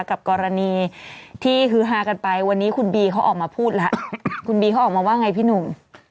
กับกรณีที่ฮือฮากันไปวันนี้คุณบีเขาออกมาพูดแล้วคุณบีเขาออกมาว่าไงพี่หนุ่ม